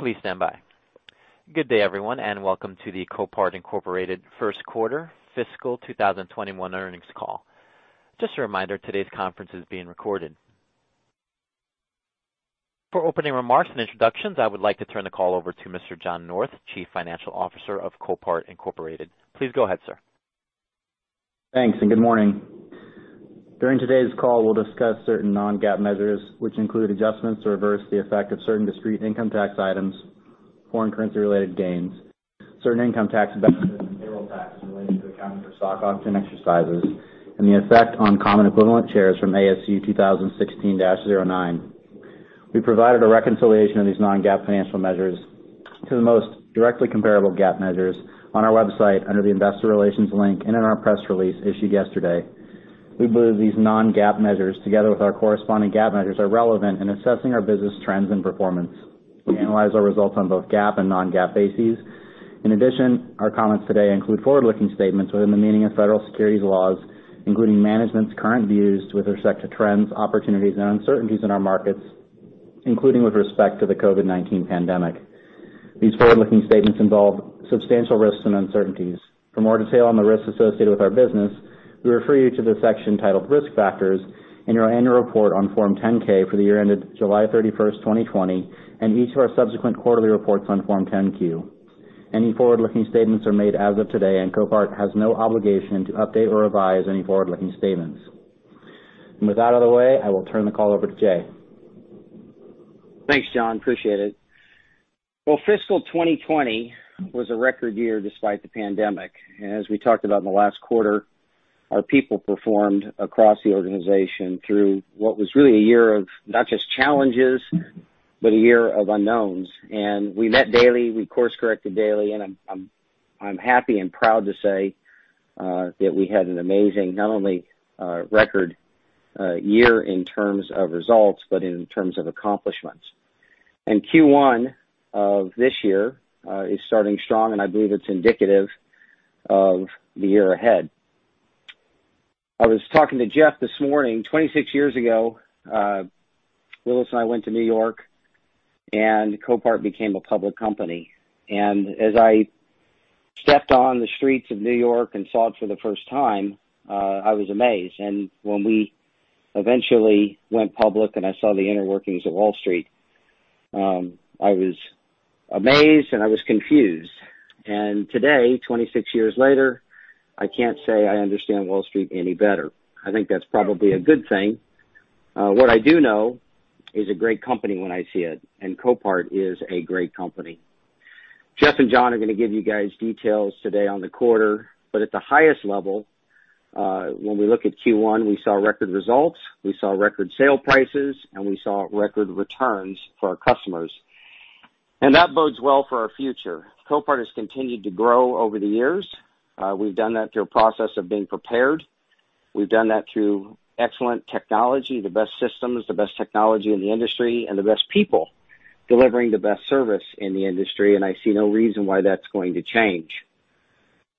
Good day, everyone. Welcome to the Copart Incorporated first quarter fiscal 2021 earnings call. Just a reminder, today's conference is being recorded. For opening remarks and introductions, I would like to turn the call over to Mr. John North, Chief Financial Officer of Copart Incorporated. Please go ahead, sir. Thanks, and good morning. During today's call, we'll discuss certain non-GAAP measures, which include adjustments to reverse the effect of certain discrete income tax items, foreign currency-related gains, certain income tax benefits and payroll taxes related to accounting for stock option exercises, and the effect on common equivalent shares from ASU 2016-09. We've provided a reconciliation of these non-GAAP financial measures to the most directly comparable GAAP measures on our website under the Investor Relations link and in our press release issued yesterday. We believe these non-GAAP measures, together with our corresponding GAAP measures, are relevant in assessing our business trends and performance. We analyze our results on both GAAP and non-GAAP bases. In addition, our comments today include forward-looking statements within the meaning of federal securities laws, including management's current views with respect to trends, opportunities, and uncertainties in our markets, including with respect to the COVID-19 pandemic. These forward-looking statements involve substantial risks and uncertainties. For more detail on the risks associated with our business, we refer you to the section titled Risk Factors in our annual report on Form 10-K for the year ended July 31st, 2020, and each of our subsequent quarterly reports on Form 10-Q. Any forward-looking statements are made as of today, and Copart has no obligation to update or revise any forward-looking statements. With that out of the way, I will turn the call over to Jay. Thanks, John. Appreciate it. Well, fiscal 2020 was a record year despite the pandemic. As we talked about in the last quarter, our people performed across the organization through what was really a year of not just challenges, but a year of unknowns. We met daily, we course-corrected daily, and I'm happy and proud to say that we had an amazing not only record year in terms of results, but in terms of accomplishments. Q1 of this year is starting strong, and I believe it's indicative of the year ahead. I was talking to Jeff this morning. 26 years ago, Willis and I went to New York and Copart became a public company. As I stepped on the streets of New York and saw it for the first time, I was amazed. When we eventually went public and I saw the inner workings of Wall Street, I was amazed and I was confused. Today, 26 years later, I can't say I understand Wall Street any better. I think that's probably a good thing. What I do know is a great company when I see it, and Copart is a great company. Jeff and John are going to give you guys details today on the quarter. At the highest level, when we look at Q1, we saw record results, we saw record sale prices, and we saw record returns for our customers. That bodes well for our future. Copart has continued to grow over the years. We've done that through a process of being prepared. We've done that through excellent technology, the best systems, the best technology in the industry, and the best people delivering the best service in the industry, and I see no reason why that's going to change.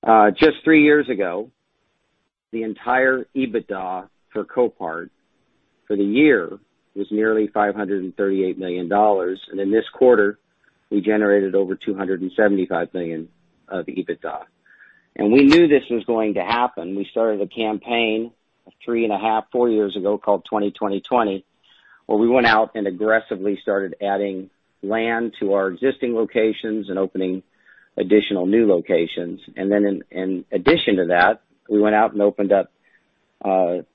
Just three years ago, the entire EBITDA for Copart for the year was nearly $538 million. In this quarter, we generated over $275 million of EBITDA. We knew this was going to happen. We started a campaign three and a half, four years ago called 20/20/20, where we went out and aggressively started adding land to our existing locations and opening additional new locations. In addition to that, we went out and opened up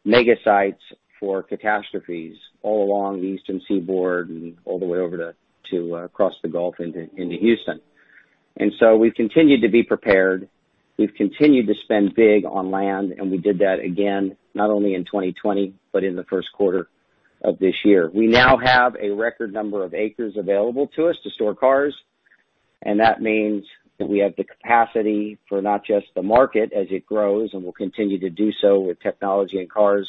mega sites for catastrophes all along the eastern seaboard and all the way over to across the Gulf into Houston. We've continued to be prepared. We've continued to spend big on land, and we did that again, not only in 2020, but in the first quarter of this year. We now have a record number of acres available to us to store cars, and that means that we have the capacity for not just the market as it grows, and we'll continue to do so with technology and cars,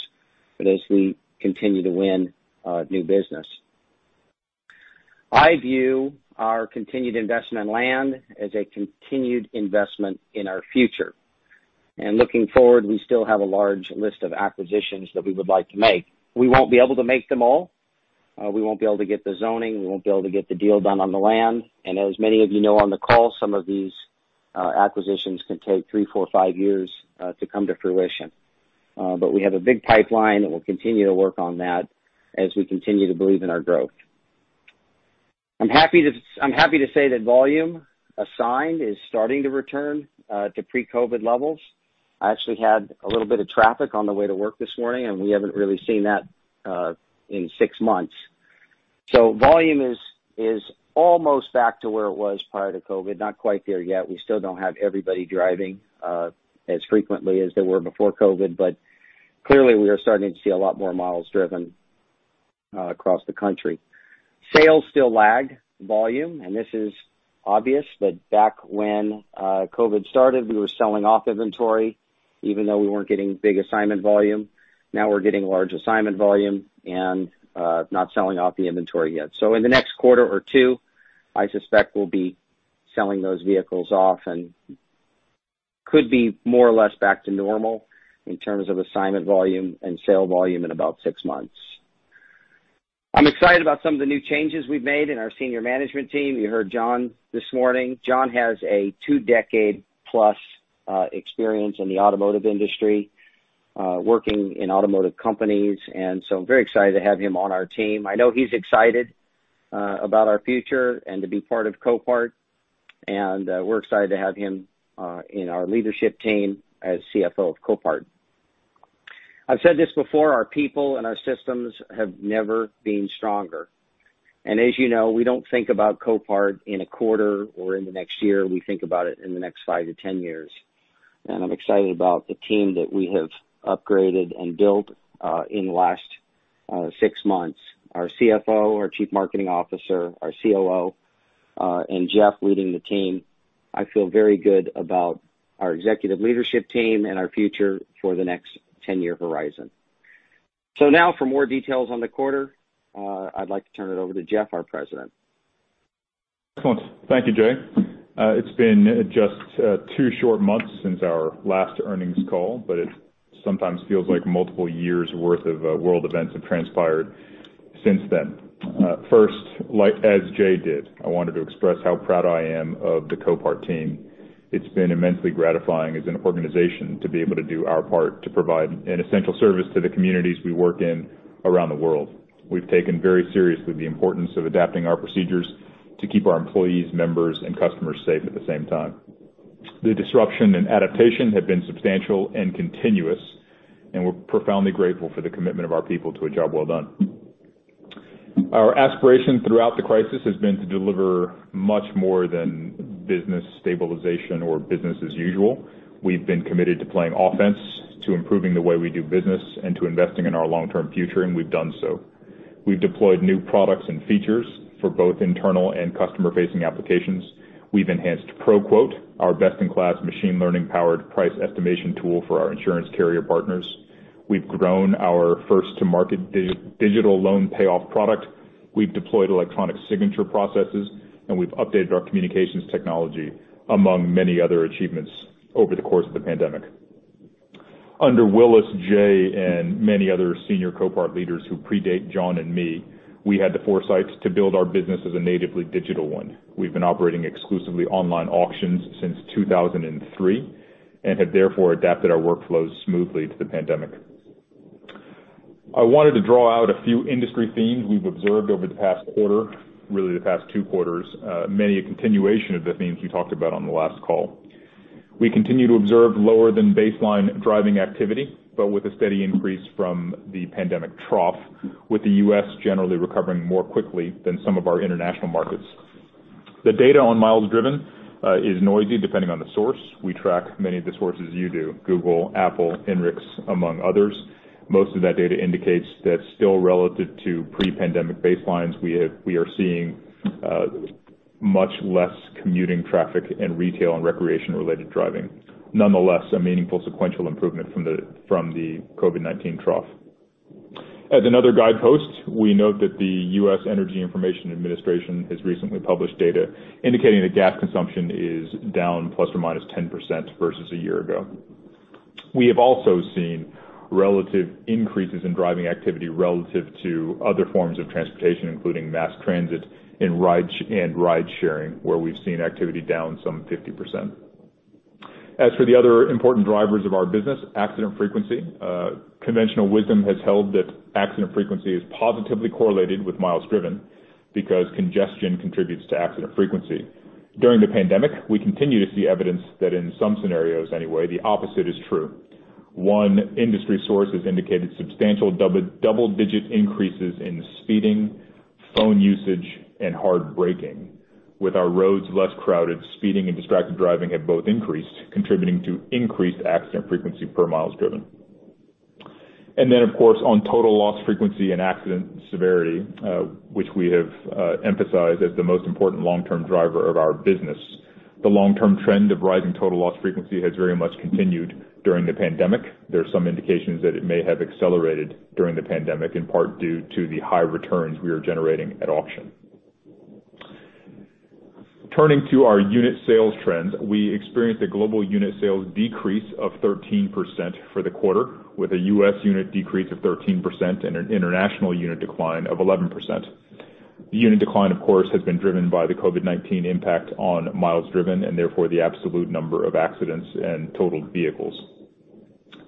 but as we continue to win new business. I view our continued investment in land as a continued investment in our future. Looking forward, we still have a large list of acquisitions that we would like to make. We won't be able to make them all. We won't be able to get the zoning. We won't be able to get the deal done on the land. As many of you know on the call, some of these acquisitions can take three, four, five years to come to fruition. We have a big pipeline, and we'll continue to work on that as we continue to believe in our growth. I'm happy to say that volume assigned is starting to return to pre-COVID-19 levels. I actually had a little bit of traffic on the way to work this morning, and we haven't really seen that in six months. Volume is almost back to where it was prior to COVID-19. Not quite there yet. We still don't have everybody driving as frequently as they were before COVID-19, but clearly we are starting to see a lot more miles driven across the country. Sales still lag volume. This is obvious that back when COVID started, we were selling off inventory even though we weren't getting big assignment volume. Now we're getting large assignment volume and not selling off the inventory yet. In the next quarter or two, I suspect we'll be selling those vehicles off and could be more or less back to normal in terms of assignment volume and sale volume in about six months. I'm excited about some of the new changes we've made in our senior management team. You heard John this morning. John has a two-decade plus experience in the automotive industry, working in automotive companies. I'm very excited to have him on our team. I know he's excited about our future and to be part of Copart, and we're excited to have him in our leadership team as CFO of Copart. I've said this before, our people and our systems have never been stronger. As you know, we don't think about Copart in a quarter or in the next year. We think about it in the next 5-10 years. I'm excited about the team that we have upgraded and built in the last six months. Our CFO, our Chief Marketing Officer, our COO, and Jeff leading the team. I feel very good about our executive leadership team and our future for the next 10-year horizon. Now for more details on the quarter, I'd like to turn it over to Jeff, our President. Excellent. Thank you, Jay. It's been just two short months since our last earnings call, but it sometimes feels like multiple years' worth of world events have transpired since then. First, as Jay did, I wanted to express how proud I am of the Copart team. It's been immensely gratifying as an organization to be able to do our part to provide an essential service to the communities we work in around the world. We've taken very seriously the importance of adapting our procedures to keep our employees, members, and customers safe at the same time. The disruption and adaptation have been substantial and continuous, and we're profoundly grateful for the commitment of our people to a job well done. Our aspiration throughout the crisis has been to deliver much more than business stabilization or business as usual. We've been committed to playing offense, to improving the way we do business, and to investing in our long-term future, and we've done so. We've deployed new products and features for both internal and customer-facing applications. We've enhanced ProQuote, our best-in-class machine learning powered price estimation tool for our insurance carrier partners. We've grown our first to market digital loan payoff product. We've deployed electronic signature processes, and we've updated our communications technology, among many other achievements over the course of the pandemic. Under Willis, Jay, and many other senior Copart leaders who predate John and me, we had the foresight to build our business as a natively digital one. We've been operating exclusively online auctions since 2003 and have therefore adapted our workflows smoothly to the pandemic. I wanted to draw out a few industry themes we've observed over the past quarter, really the past two quarters, many a continuation of the themes we talked about on the last call. We continue to observe lower than baseline driving activity, but with a steady increase from the pandemic trough, with the U.S. generally recovering more quickly than some of our international markets. The data on miles driven is noisy depending on the source. We track many of the sources you do, Google, Apple, INRIX, among others. Most of that data indicates that still relative to pre-pandemic baselines, we are seeing much less commuting traffic and retail and recreation-related driving. Nonetheless, a meaningful sequential improvement from the COVID-19 trough. As another guidepost, we note that the U.S. Energy Information Administration has recently published data indicating that gas consumption is down ±10% versus a year ago. We have also seen relative increases in driving activity relative to other forms of transportation, including mass transit and ride-sharing, where we've seen activity down some 50%. As for the other important drivers of our business, accident frequency. Conventional wisdom has held that accident frequency is positively correlated with miles driven because congestion contributes to accident frequency. During the pandemic, we continue to see evidence that in some scenarios anyway, the opposite is true. One industry source has indicated substantial double-digit increases in speeding, phone usage, and hard braking. With our roads less crowded, speeding and distracted driving have both increased, contributing to increased accident frequency per miles driven. Then, of course, on total loss frequency and accident severity, which we have emphasized as the most important long-term driver of our business. The long-term trend of rising total loss frequency has very much continued during the pandemic. There are some indications that it may have accelerated during the pandemic, in part due to the high returns we are generating at auction. Turning to our unit sales trends, we experienced a global unit sales decrease of 13% for the quarter, with a U.S. unit decrease of 13% and an international unit decline of 11%. The unit decline, of course, has been driven by the COVID-19 impact on miles driven, and therefore the absolute number of accidents and totaled vehicles.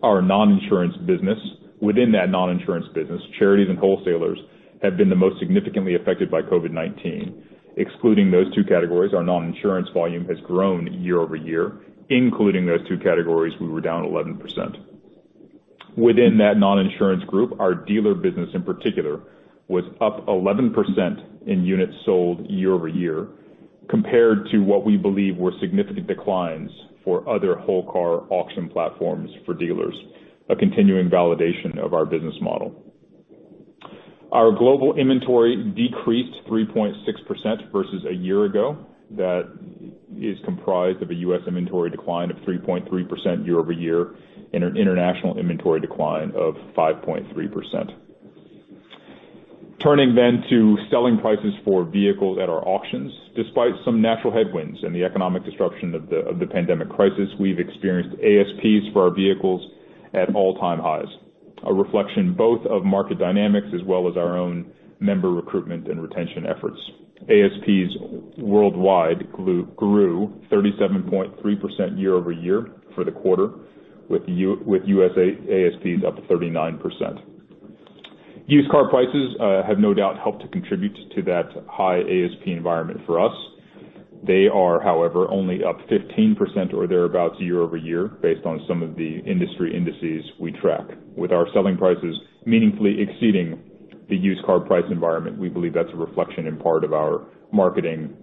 Our non-insurance business, within that non-insurance business, charities and wholesalers have been the most significantly affected by COVID-19. Excluding those two categories, our non-insurance volume has grown year-over-year. Including those two categories, we were down 11%. Within that non-insurance group, our dealer business in particular was up 11% in units sold year-over-year, compared to what we believe were significant declines for other whole car auction platforms for dealers, a continuing validation of our business model. Our global inventory decreased 3.6% versus a year ago. That is comprised of a U.S. inventory decline of 3.3% year-over-year and an international inventory decline of 5.3%. Turning to selling prices for vehicles at our auctions. Despite some natural headwinds and the economic disruption of the pandemic crisis, we've experienced ASPs for our vehicles at all-time highs. A reflection both of market dynamics as well as our own member recruitment and retention efforts. ASPs worldwide grew 37.3% year-over-year for the quarter with USA ASPs up 39%. Used car prices have no doubt helped to contribute to that high ASP environment for us. They are, however, only up 15% or thereabouts year-over-year based on some of the industry indices we track. With our selling prices meaningfully exceeding the used car price environment, we believe that's a reflection in part of our marketing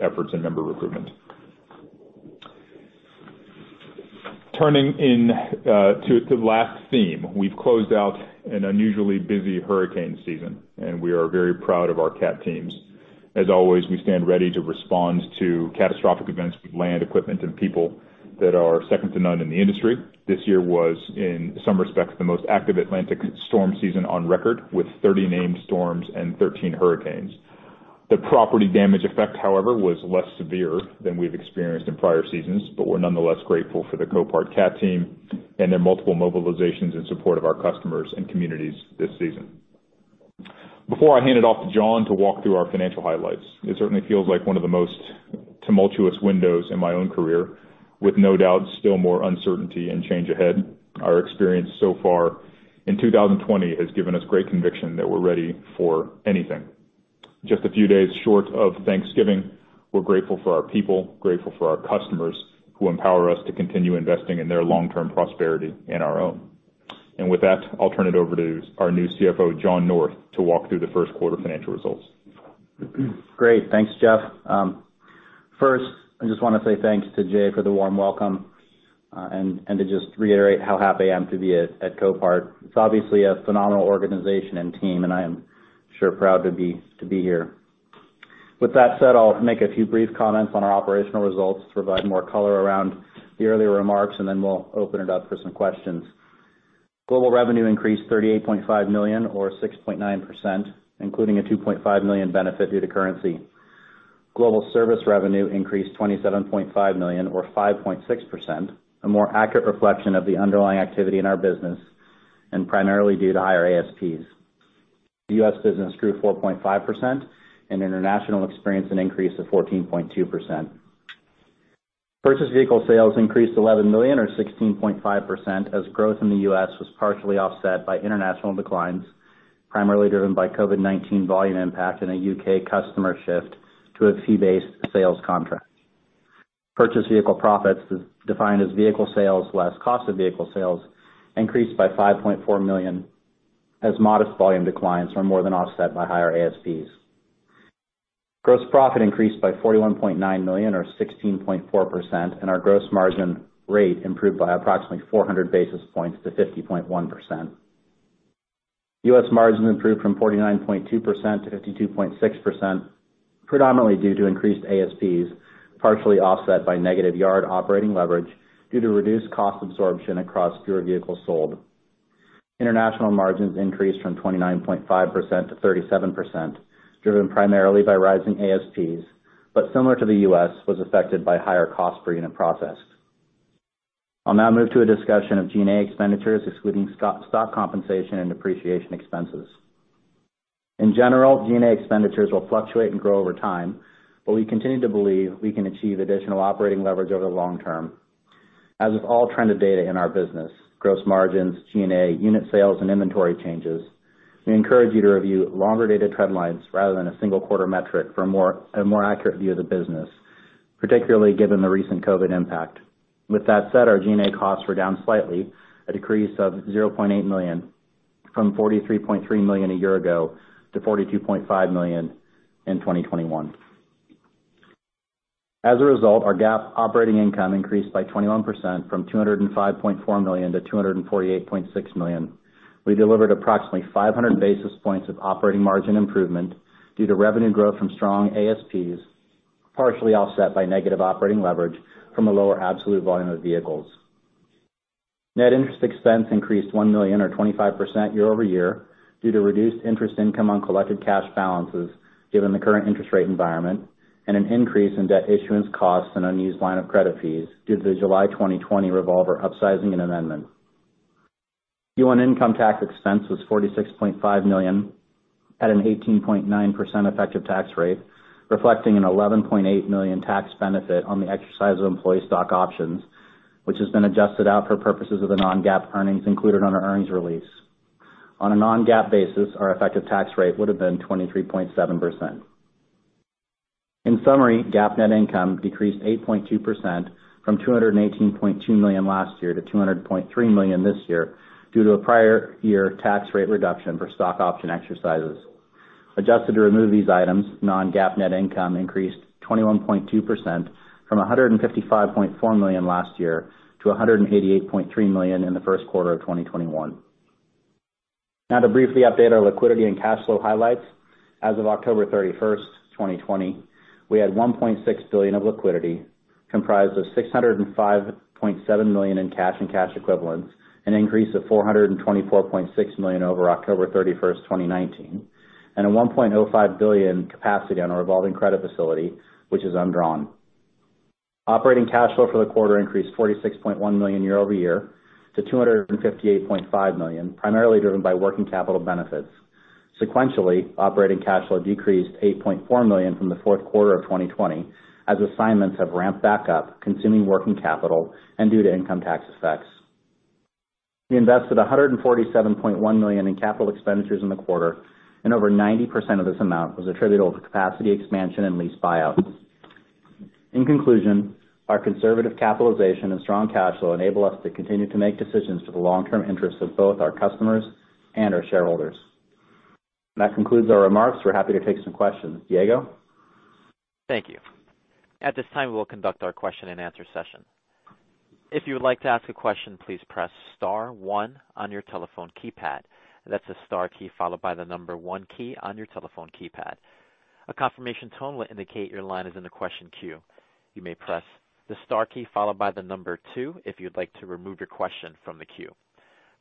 efforts and member recruitment. Turning to the last theme. We've closed out an unusually busy hurricane season, and we are very proud of our cat teams. As always, we stand ready to respond to catastrophic events with land, equipment, and people that are second to none in the industry. This year was, in some respects, the most active Atlantic storm season on record, with 30 named storms and 13 hurricanes. The property damage effect, however, was less severe than we've experienced in prior seasons, we're nonetheless grateful for the Copart cat team and their multiple mobilizations in support of our customers and communities this season. Before I hand it off to John to walk through our financial highlights, it certainly feels like one of the most tumultuous windows in my own career, with no doubt still more uncertainty and change ahead. Our experience so far in 2020 has given us great conviction that we're ready for anything. Just a few days short of Thanksgiving, we're grateful for our people, grateful for our customers who empower us to continue investing in their long-term prosperity and our own. With that, I'll turn it over to our new CFO, John North, to walk through the first quarter financial results. Great. Thanks, Jeff. First, I just want to say thanks to Jay for the warm welcome, and to just reiterate how happy I am at Copart. It's obviously a phenomenal organization and team, and I am sure proud to be here. With that said, I'll make a few brief comments on our operational results, provide more color around the earlier remarks, and then we'll open it up for some questions. Global revenue increased $38.5 million or 6.9%, including a $2.5 million benefit due to currency. Global service revenue increased $27.5 million or 5.6%, a more accurate reflection of the underlying activity in our business and primarily due to higher ASPs. The U.S. business grew 4.5% and international experienced an increase of 14.2%. Purchased vehicle sales increased $11 million or 16.5% as growth in the U.S. was partially offset by international declines, primarily driven by COVID-19 volume impact and a U.K. customer shift to a fee-based sales contract. Purchased vehicle profits, defined as vehicle sales less cost of vehicle sales, increased by $5.4 million as modest volume declines were more than offset by higher ASPs. Gross profit increased by $41.9 million or 16.4%, and our gross margin rate improved by approximately 400 basis points to 50.1%. U.S. margin improved from 49.2%-52.6%, predominantly due to increased ASPs, partially offset by negative yard operating leverage due to reduced cost absorption across fewer vehicles sold. International margins increased from 29.5%-37%, driven primarily by rising ASPs, but similar to the U.S., was affected by higher cost per unit processed. I'll now move to a discussion of G&A expenditures excluding stock compensation and depreciation expenses. In general, G&A expenditures will fluctuate and grow over time, but we continue to believe we can achieve additional operating leverage over the long term. As with all trended data in our business, gross margins, G&A, unit sales, and inventory changes, we encourage you to review longer data trend lines rather than a single quarter metric for a more accurate view of the business, particularly given the recent COVID-19 impact. With that said, our G&A costs were down slightly, a decrease of $0.8 million, from $43.3 million a year ago to $42.5 million in 2021. As a result, our GAAP operating income increased by 21%, from $205.4 million-$248.6 million. We delivered approximately 500 basis points of operating margin improvement due to revenue growth from strong ASPs, partially offset by negative operating leverage from a lower absolute volume of vehicles. Net interest expense increased $1 million or 25% year-over-year due to reduced interest income on collected cash balances given the current interest rate environment and an increase in debt issuance costs and unused line of credit fees due to the July 2020 revolver upsizing and amendment. Our income tax expense was $46.5 million at an 18.9% effective tax rate, reflecting an $11.8 million tax benefit on the exercise of employee stock options, which has been adjusted out for purposes of the non-GAAP earnings included on our earnings release. On a non-GAAP basis, our effective tax rate would have been 23.7%. In summary, GAAP net income decreased 8.2% from $218.2 million last year to $200.3 million this year due to a prior year tax rate reduction for stock option exercises. Adjusted to remove these items, non-GAAP net income increased 21.2% from $155.4 million last year to $188.3 million in the first quarter of 2021. Now to briefly update our liquidity and cash flow highlights. As of October 31st, 2020, we had $1.6 billion of liquidity, comprised of $605.7 million in cash and cash equivalents, an increase of $424.6 million over October 31st, 2019, and a $1.05 billion capacity on our revolving credit facility, which is undrawn. Operating cash flow for the quarter increased $46.1 million year-over-year to $258.5 million, primarily driven by working capital benefits. Sequentially, operating cash flow decreased $8.4 million from the fourth quarter of 2020, as assignments have ramped back up, consuming working capital and due to income tax effects. We invested $147.1 million in capital expenditures in the quarter, and over 90% of this amount was attributable to capacity expansion and lease buyouts. In conclusion, our conservative capitalization and strong cash flow enable us to continue to make decisions for the long-term interests of both our customers and our shareholders. That concludes our remarks. We're happy to take some questions. Diego? Thank you. At this time, we'll conduct our question-and-answer session. If you would like to ask a question, please press star one on your telephone keypad. That's the star key followed by the number one key on your telephone keypad. A confirmation tone will indicate your line is in the question queue. You may press the star key followed by the number two if you'd like to remove your question from the queue.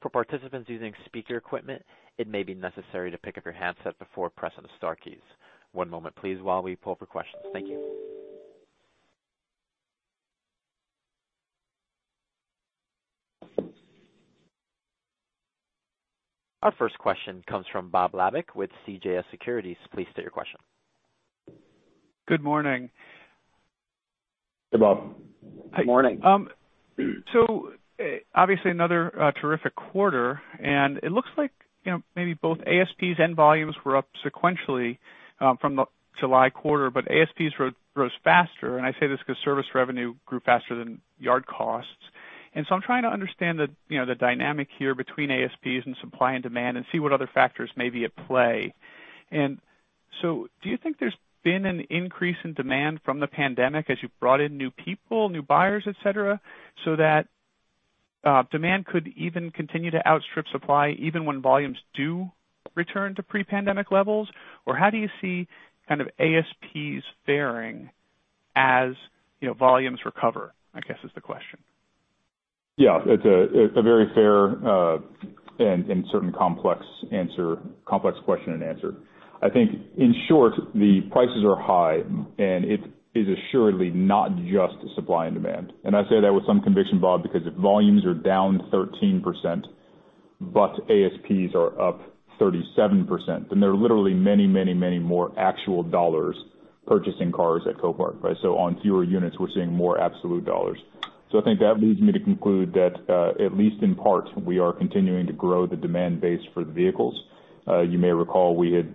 For participants using speaker equipment, it may be necessary to pick up your handset before pressing the star keys. One moment please, while we pull for questions. Thank you. Our first question comes from Bob Labick with CJS Securities. Please state your question. Good morning. Hey, Bob. Good morning. Obviously another terrific quarter, and it looks like maybe both ASPs and volumes were up sequentially from the July quarter, but ASPs rose faster, and I say this because service revenue grew faster than yard costs. I'm trying to understand the dynamic here between ASPs and supply and demand and see what other factors may be at play. Do you think there's been an increase in demand from the pandemic as you've brought in new people, new buyers, et cetera, so that demand could even continue to outstrip supply even when volumes do return to pre-pandemic levels? How do you see kind of ASPs fairing as volumes recover, I guess is the question? Yeah, it's a very fair and certainly complex question and answer. I think, in short, the prices are high, and it is assuredly not just supply and demand. I say that with some conviction, Bob, because if volumes are down 13%, but ASPs are up 37%, then there are literally many more actual dollars purchasing cars at Copart. On fewer units, we're seeing more absolute dollars. I think that leads me to conclude that, at least in part, we are continuing to grow the demand base for the vehicles. You may recall we had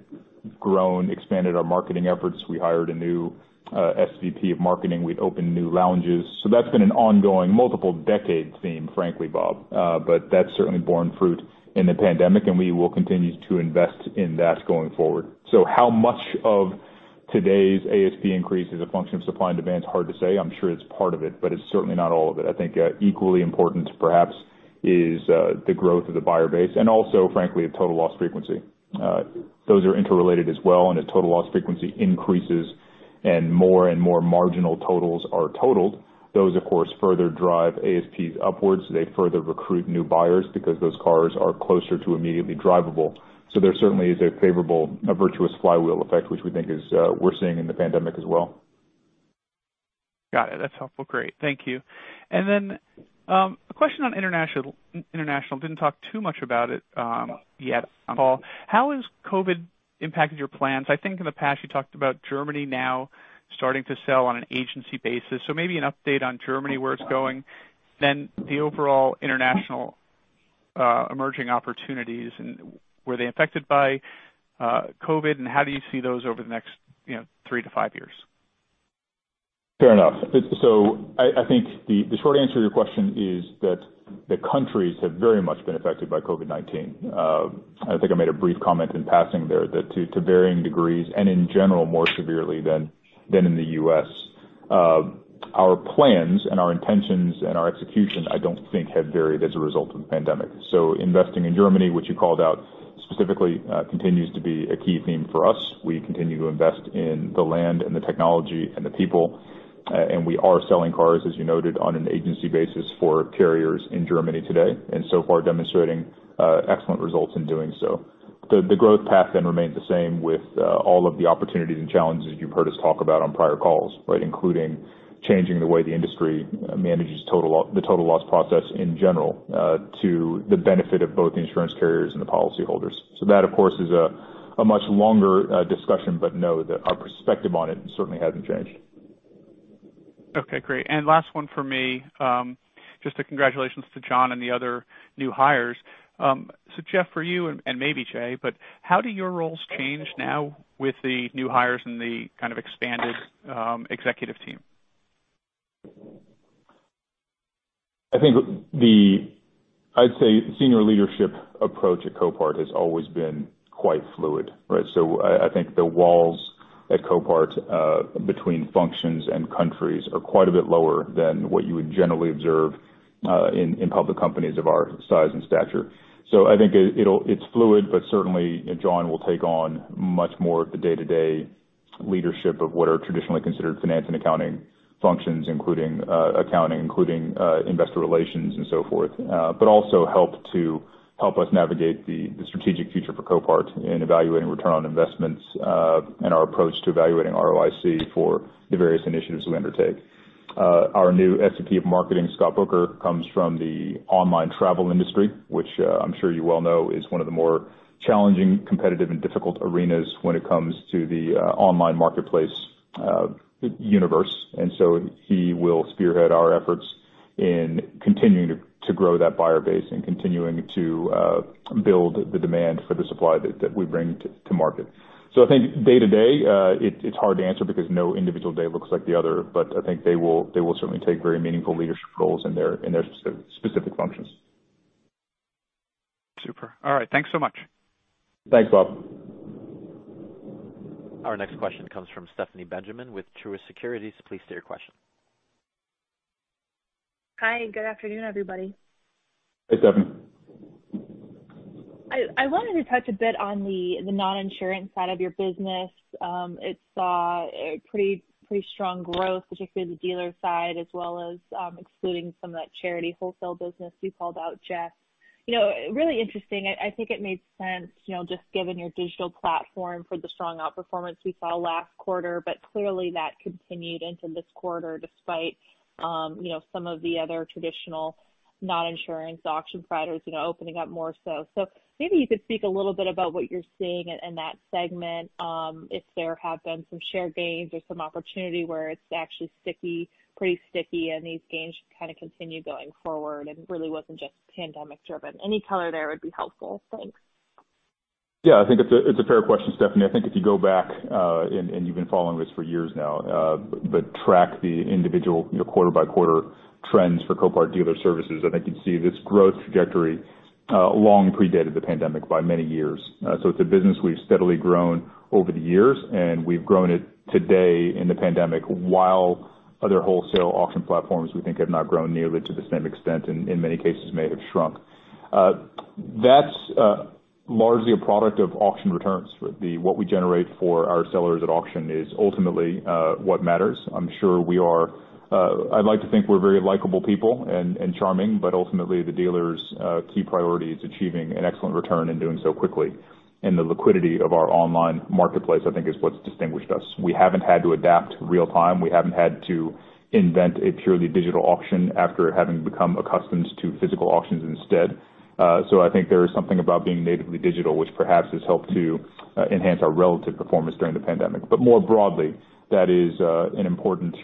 grown, expanded our marketing efforts. We hired a new SVP of marketing. We'd opened new lounges. That's been an ongoing multiple-decade theme, frankly, Bob. That's certainly borne fruit in the pandemic, and we will continue to invest in that going forward. How much of today's ASP increase is a function of supply and demand is hard to say. I'm sure it's part of it, but it's certainly not all of it. I think equally important perhaps is the growth of the buyer base and also, frankly, the total loss frequency. Those are interrelated as well, and as total loss frequency increases and more and more marginal totals are totaled, those, of course, further drive ASPs upwards. They further recruit new buyers because those cars are closer to immediately drivable. There certainly is a favorable, virtuous flywheel effect, which we think we're seeing in the pandemic as well. Got it. That's helpful. Great. Thank you. A question on international. Didn't talk too much about it yet, so how has COVID impacted your plans? I think in the past, you talked about Germany now starting to sell on an agency basis. Maybe an update on Germany, where it's going, then the overall international emerging opportunities, and were they affected by COVID, and how do you see those over the next three to five years? Fair enough. I think the short answer to your question is that the countries have very much been affected by COVID-19. I think I made a brief comment in passing there that to varying degrees, and in general, more severely than in the U.S. Our plans and our intentions and our execution, I don't think have varied as a result of the pandemic. Investing in Germany, which you called out specifically, continues to be a key theme for us. We continue to invest in the land and the technology and the people, and we are selling cars, as you noted, on an agency basis for carriers in Germany today, and so far demonstrating excellent results in doing so. The growth path then remains the same with all of the opportunities and challenges you've heard us talk about on prior calls, including changing the way the industry manages the total loss process in general to the benefit of both the insurance carriers and the policyholders. That, of course, is a much longer discussion, but know that our perspective on it certainly hasn't changed. Okay, great. Last one for me. Just a congratulations to John and the other new hires. Jeff, for you, and maybe Jay, how do your roles change now with the new hires and the kind of expanded executive team? I'd say senior leadership approach at Copart has always been quite fluid. I think the walls at Copart, between functions and countries are quite a bit lower than what you would generally observe in public companies of our size and stature. I think it's fluid, but certainly John will take on much more of the day-to-day leadership of what are traditionally considered finance and accounting functions, including accounting, including investor relations and so forth. Also help us navigate the strategic future for Copart in evaluating return on investments and our approach to evaluating ROIC for the various initiatives we undertake. Our new SVP of marketing, Scott Booker, comes from the online travel industry, which I'm sure you well know is one of the more challenging, competitive, and difficult arenas when it comes to the online marketplace universe. He will spearhead our efforts in continuing to grow that buyer base and continuing to build the demand for the supply that we bring to market. I think day to day, it's hard to answer because no individual day looks like the other, but I think they will certainly take very meaningful leadership roles in their specific functions. Super. All right. Thanks so much. Thanks, Bob. Our next question comes from Stephanie Benjamin with Truist Securities. Please state your question. Hi, good afternoon, everybody. Hey, Stephanie. I wanted to touch a bit on the non-insurance side of your business. It saw a pretty strong growth, particularly the dealer side, as well as excluding some of that charity wholesale business you called out, Jeff. Really interesting. I think it made sense, just given your digital platform for the strong outperformance we saw last quarter. Clearly that continued into this quarter despite some of the other traditional non-insurance auction providers opening up more so. Maybe you could speak a little bit about what you're seeing in that segment, if there have been some shared gains or some opportunity where it's actually pretty sticky, and these gains should kind of continue going forward and really wasn't just pandemic driven. Any color there would be helpful. Thanks. I think it's a fair question, Stephanie. I think if you go back, and you've been following this for years now, but track the individual quarter-by-quarter trends for Copart Dealer Services, I think you'd see this growth trajectory long predated the pandemic by many years. It's a business we've steadily grown over the years, and we've grown it today in the pandemic, while other wholesale auction platforms we think have not grown nearly to the same extent and in many cases may have shrunk. That's largely a product of auction returns. What we generate for our sellers at auction is ultimately what matters. I'd like to think we're very likable people and charming, but ultimately the dealer's key priority is achieving an excellent return and doing so quickly. The liquidity of our online marketplace, I think is what's distinguished us. We haven't had to adapt real time. We haven't had to invent a purely digital auction after having become accustomed to physical auctions instead. I think there is something about being natively digital, which perhaps has helped to enhance our relative performance during the pandemic. More broadly, that is an important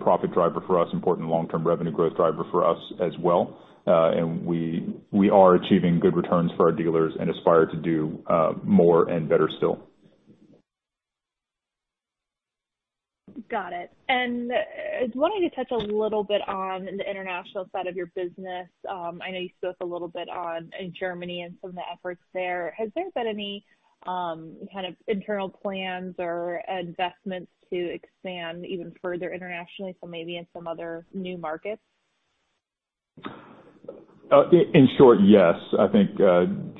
profit driver for us, important long-term revenue growth driver for us as well. We are achieving good returns for our dealers and aspire to do more and better still. Got it. I wanted to touch a little bit on the international side of your business. I know you spoke a little bit on Germany and some of the efforts there. Has there been any kind of internal plans or investments to expand even further internationally, so maybe in some other new markets? In short, yes. I think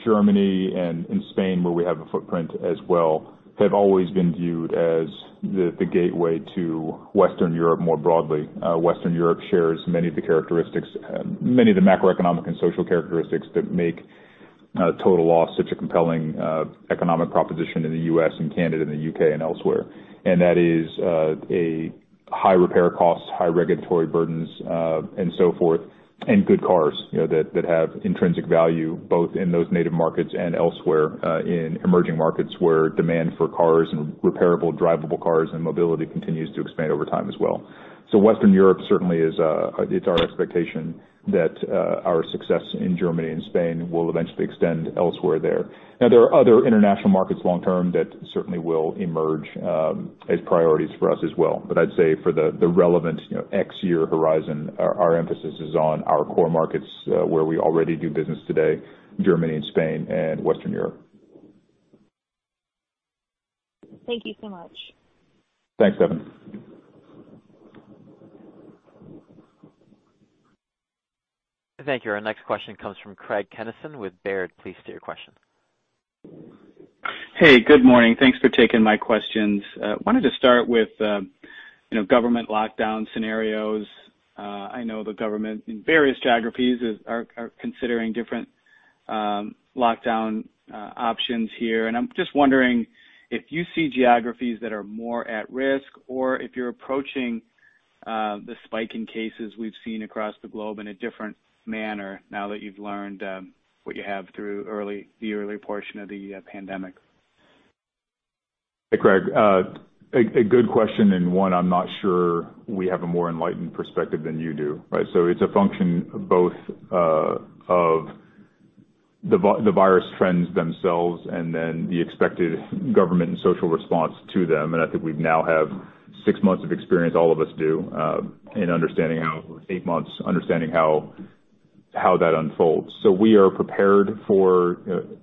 Germany and Spain, where we have a footprint as well, have always been viewed as the gateway to Western Europe more broadly. Western Europe shares many of the macroeconomic and social characteristics that make total loss such a compelling economic proposition in the U.S. and Canada and the U.K. and elsewhere. That is a high repair cost, high regulatory burdens, and so forth, and good cars that have intrinsic value both in those native markets and elsewhere in emerging markets where demand for cars and repairable drivable cars and mobility continues to expand over time as well. Western Europe certainly it's our expectation that our success in Germany and Spain will eventually extend elsewhere there. Now, there are other international markets long term that certainly will emerge as priorities for us as well. I'd say for the relevant X year horizon, our emphasis is on our core markets, where we already do business today, Germany and Spain and Western Europe. Thank you so much. Thanks, Stephanie. Thank you. Our next question comes from Craig Kennison with Baird. Please state your question. Hey, good morning. Thanks for taking my questions. I wanted to start with government lockdown scenarios. I know the government in various geographies are considering different lockdown options here, and I'm just wondering if you see geographies that are more at risk or if you're approaching the spike in cases we've seen across the globe in a different manner now that you've learned what you have through the early portion of the pandemic. Hey, Craig. A good question and one I'm not sure we have a more enlightened perspective than you do, right? It's a function both of the virus trends themselves and then the expected government and social response to them. I think we now have six months of experience, all of us do, in eight months, understanding how that unfolds. We are prepared for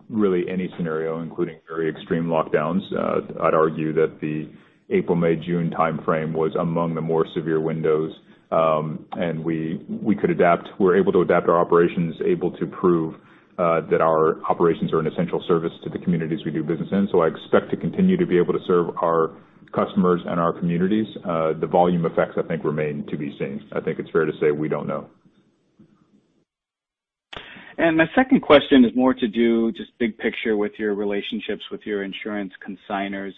really any scenario, including very extreme lockdowns. I'd argue that the April, May, June timeframe was among the more severe windows. We're able to adapt our operations, able to prove that our operations are an essential service to the communities we do business in. I expect to continue to be able to serve our customers and our communities. The volume effects, I think, remain to be seen. I think it's fair to say we don't know. My second question is more to do just big picture with your relationships with your insurance consignors.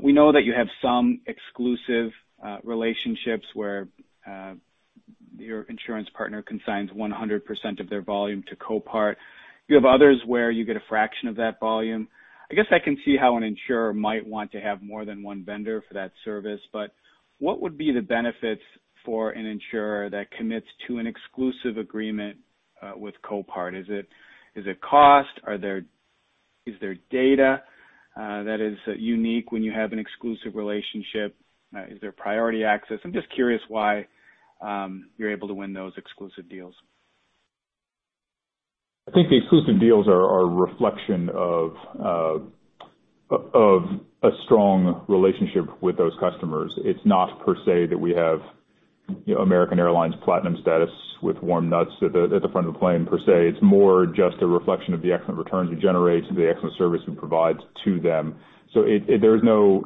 We know that you have some exclusive relationships where your insurance partner consigns 100% of their volume to Copart. You have others where you get a fraction of that volume. I guess I can see how an insurer might want to have more than one vendor for that service, but what would be the benefits for an insurer that commits to an exclusive agreement with Copart? Is it cost? Is there data that is unique when you have an exclusive relationship? Is there priority access? I'm just curious why you're able to win those exclusive deals. I think the exclusive deals are a reflection of a strong relationship with those customers. It's not per se that we have American Airlines platinum status with warm nuts at the front of the plane per se. It's more just a reflection of the excellent returns we generate and the excellent service we provide to them. There's no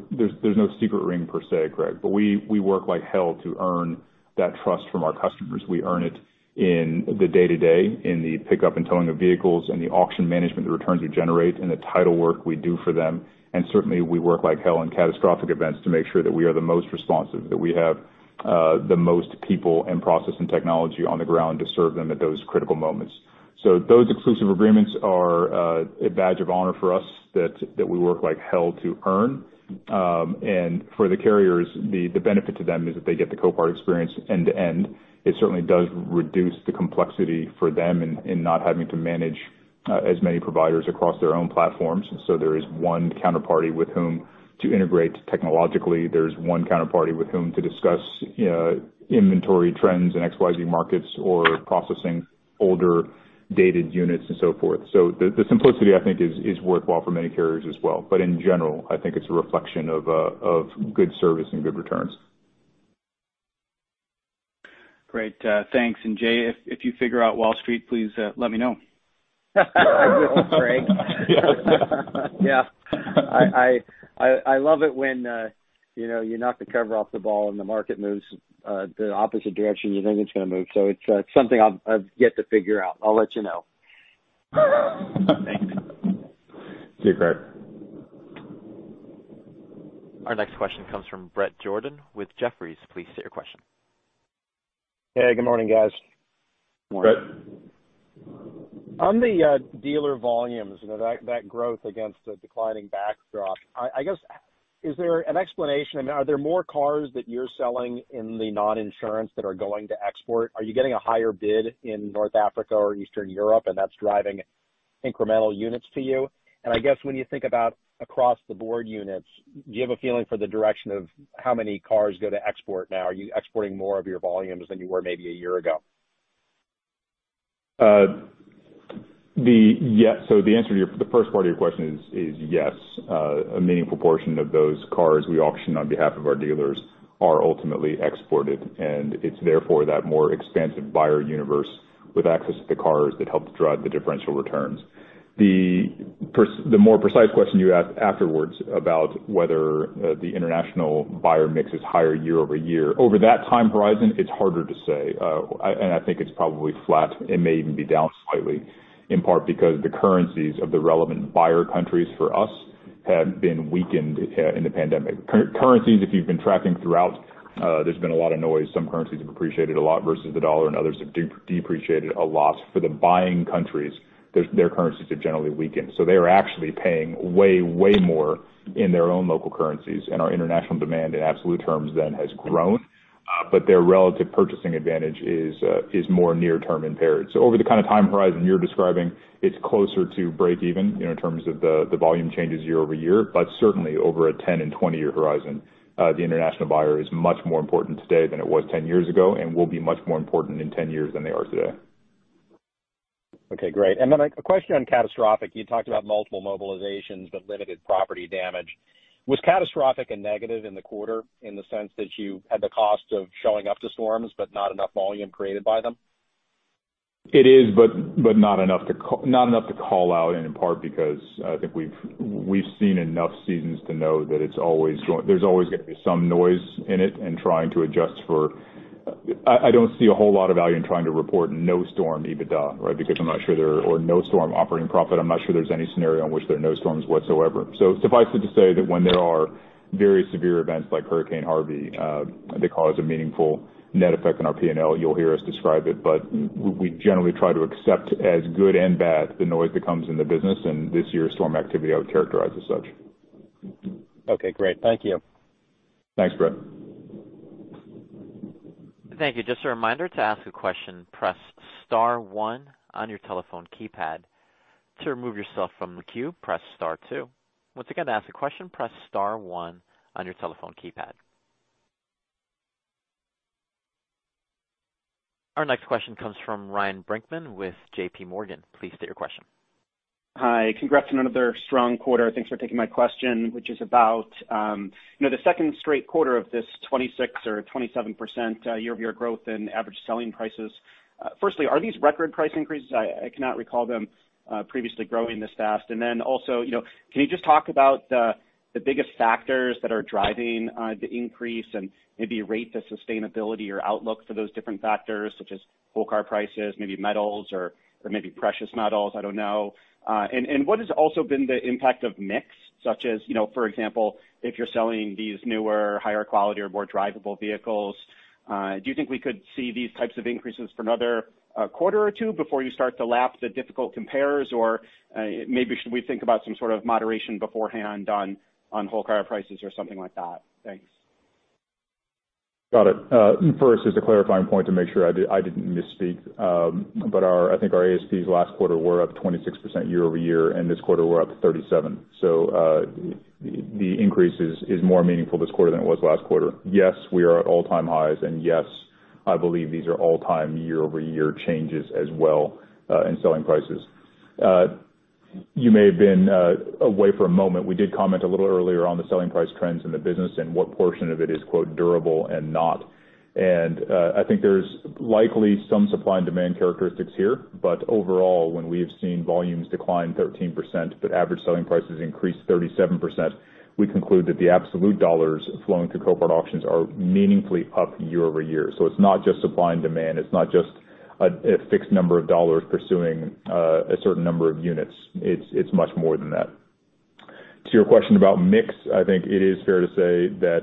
secret ring per se, Craig. We work like hell to earn that trust from our customers. We earn it in the day-to-day, in the pickup and towing of vehicles, in the auction management, the returns we generate, in the title work we do for them. Certainly, we work like hell in catastrophic events to make sure that we are the most responsive, that we have the most people and process and technology on the ground to serve them at those critical moments. Those exclusive agreements are a badge of honor for us that we work like hell to earn. For the carriers, the benefit to them is that they get the Copart experience end to end. It certainly does reduce the complexity for them in not having to manage as many providers across their own platforms. There is one counterparty with whom to integrate technologically. There's one counterparty with whom to discuss inventory trends in XYZ markets or processing older dated units and so forth. The simplicity, I think, is worthwhile for many carriers as well. In general, I think it's a reflection of good service and good returns. Great. Thanks. Jay, if you figure out Wall Street, please let me know. I will, Craig. Yeah. I love it when you knock the cover off the ball and the market moves the opposite direction you think it's going to move. It's something I've yet to figure out. I'll let you know. Thanks. See you, Craig. Our next question comes from Bret Jordan with Jefferies. Please state your question. Hey, good morning, guys. Morning. Bret. On the dealer volumes, that growth against a declining backdrop, I guess is there an explanation? Are there more cars that you're selling in the non-insurance that are going to export? Are you getting a higher bid in North Africa or Eastern Europe, and that's driving incremental units to you? I guess when you think about across-the-board units, do you have a feeling for the direction of how many cars go to export now? Are you exporting more of your volumes than you were maybe a year ago? The answer to the first part of your question is yes. A meaningful portion of those cars we auction on behalf of our dealers are ultimately exported, and it's therefore that more expansive buyer universe with access to the cars that helps drive the differential returns. The more precise question you asked afterwards about whether the international buyer mix is higher year-over-year. Over that time horizon, it's harder to say. I think it's probably flat. It may even be down slightly, in part because the currencies of the relevant buyer countries for us have been weakened in the pandemic. Currencies, if you've been tracking throughout, there's been a lot of noise. Some currencies have appreciated a lot versus the U.S. dollar, and others have depreciated a lot. For the buying countries, their currencies have generally weakened. They are actually paying way more in their own local currencies, and our international demand in absolute terms then has grown. Their relative purchasing advantage is more near term impaired. Over the kind of time horizon you're describing, it's closer to breakeven in terms of the volume changes year-over-year. Certainly over a 10 and 20-year horizon the international buyer is much more important today than it was 10 years ago and will be much more important in 10 years than they are today. Okay, great. A question on catastrophic. You talked about multiple mobilizations but limited property damage. Was catastrophic a negative in the quarter in the sense that you had the cost of showing up to storms but not enough volume created by them? It is, but not enough to call out, and in part because I think we've seen enough seasons to know that there's always going to be some noise in it and trying to adjust for. I don't see a whole lot of value in trying to report no storm EBITDA, right? Or no storm operating profit. I'm not sure there's any scenario in which there are no storms whatsoever. Suffice it to say that when there are very severe events like Hurricane Harvey that cause a meaningful net effect on our P&L, you'll hear us describe it. We generally try to accept as good and bad the noise that comes in the business, and this year's storm activity I would characterize as such. Okay, great. Thank you. Thanks, Bret. Our next question comes from Ryan Brinkman with JPMorgan. Please state your question. Hi. Congrats on another strong quarter. Thanks for taking my question, which is about the second straight quarter of this 26% or 27% year-over-year growth in Average Selling Prices. Firstly, are these record price increases? Then also, can you just talk about the biggest factors that are driving the increase and maybe rate the sustainability or outlook for those different factors such as whole car prices, maybe metals or maybe precious metals, I don't know. What has also been the impact of mix, such as, for example, if you're selling these newer, higher quality or more drivable vehicles, do you think we could see these types of increases for another quarter or two before you start to lap the difficult compares? Maybe should we think about some sort of moderation beforehand on whole car prices or something like that? Thanks. Got it. First, as a clarifying point to make sure I didn't misspeak, but I think our ASPs last quarter were up 26% year-over-year, and this quarter were up 37%. The increase is more meaningful this quarter than it was last quarter. Yes, we are at all-time highs, and yes, I believe these are all-time year-over-year changes as well in selling prices. You may have been away for a moment. We did comment a little earlier on the selling price trends in the business and what portion of it is "durable" and not. I think there's likely some supply and demand characteristics here. Overall, when we have seen volumes decline 13%, but average selling prices increase 37%, we conclude that the absolute dollars flowing through Copart auctions are meaningfully up year-over-year. It's not just supply and demand. It's not just a fixed number of dollars pursuing a certain number of units. It's much more than that. To your question about mix, I think it is fair to say that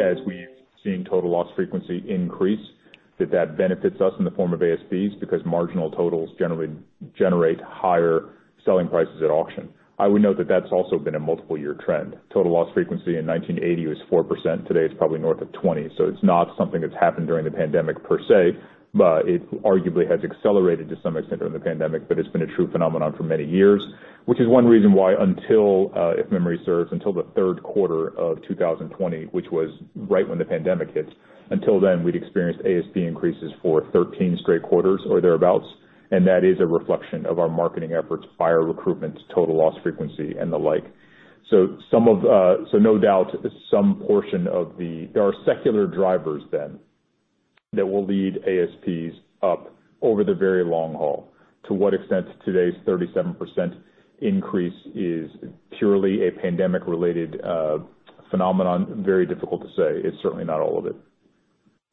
as we've seen total loss frequency increase, that that benefits us in the form of ASPs because marginal totals generally generate higher selling prices at auction. I would note that that's also been a multiple year trend. Total loss frequency in 1980 was 4%. Today it's probably north of 20%. It's not something that's happened during the pandemic per se, but it arguably has accelerated to some extent during the pandemic. It's been a true phenomenon for many years, which is one reason why until, if memory serves, until the third quarter of 2020, which was right when the pandemic hit, until then we'd experienced ASP increases for 13 straight quarters or thereabouts. That is a reflection of our marketing efforts, buyer recruitment, total loss frequency and the like. No doubt some portion of the there are secular drivers then that will lead ASPs up over the very long haul. To what extent today's 37% increase is purely a pandemic related phenomenon, very difficult to say. It's certainly not all of it.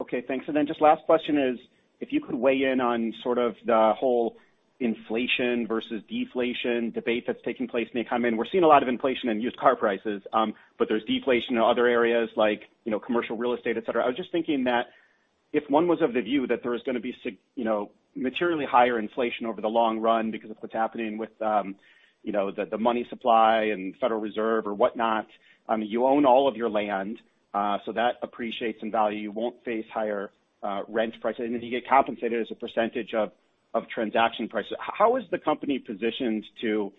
Okay, thanks. Then just last question is if you could weigh in on sort of the whole inflation versus deflation debate that's taking place. We're seeing a lot of inflation in used car prices. There's deflation in other areas like commercial real estate, et cetera. I was just thinking that if one was of the view that there was going to be materially higher inflation over the long run because of what's happening with the money supply and Federal Reserve or whatnot. You own all of your land so that appreciates in value. You won't face higher rent prices, and then you get compensated as a percentage of transaction prices. How is the company positioned to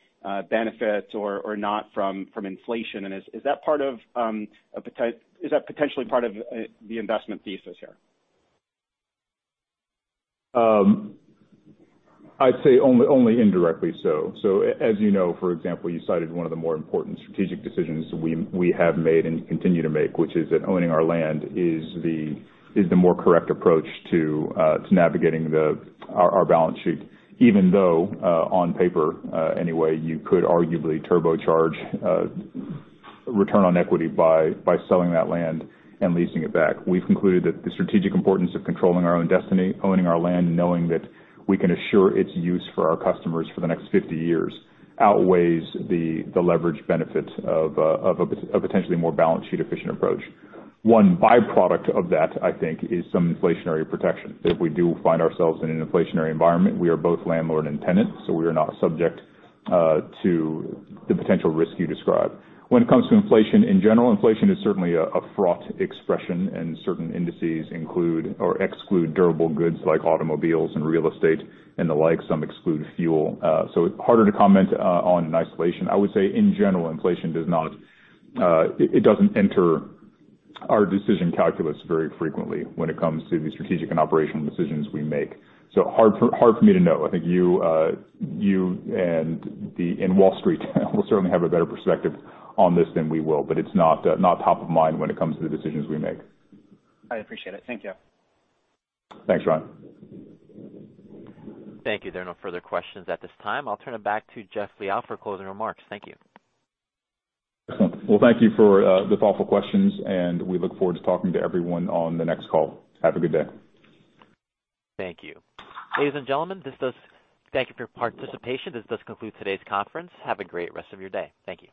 benefit or not from inflation? Is that potentially part of the investment thesis here? I'd say only indirectly so. As you know for example, you cited one of the more important strategic decisions we have made and continue to make, which is that owning our land is the more correct approach to navigating our balance sheet, even though on paper anyway, you could arguably turbocharge return on equity by selling that land and leasing it back. We've concluded that the strategic importance of controlling our own destiny, owning our land, and knowing that we can assure its use for our customers for the next 50 years outweighs the leverage benefits of a potentially more balance sheet efficient approach. One byproduct of that, I think, is some inflationary protection that if we do find ourselves in an inflationary environment, we are both landlord and tenant, so we are not subject to the potential risk you describe. When it comes to inflation in general, inflation is certainly a fraught expression, and certain indices include or exclude durable goods like automobiles and real estate and the like. Some exclude fuel. It's harder to comment on in isolation. I would say in general, inflation does not enter our decision calculus very frequently when it comes to the strategic and operational decisions we make. Hard for me to know. I think you and Wall Street will certainly have a better perspective on this than we will. It's not top of mind when it comes to the decisions we make. I appreciate it. Thank you. Thanks, Ryan. Thank you. There are no further questions at this time. I'll turn it back to Jeff Liaw for closing remarks. Thank you. Excellent. Well, thank you for the thoughtful questions, and we look forward to talking to everyone on the next call. Have a good day. Thank you. Ladies and gentlemen, thank you for your participation. This does conclude today's conference. Have a great rest of your day. Thank you.